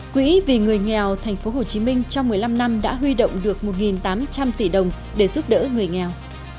quỹ vì người nghèo tp hcm trong một mươi năm năm đã huy động được một tám trăm linh tỷ đồng để giúp đỡ người nghèo